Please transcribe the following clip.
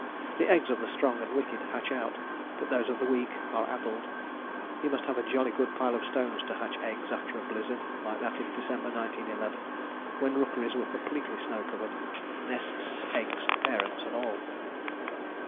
The eggs of the strong and wicked hatch out, but those of the weak are addled. You must have a jolly good pile of stones to hatch eggs after a blizzard like that in December 1911, when the rookeries were completely snow covered: nests, eggs, parents and all.